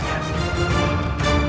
aku harus melihatnya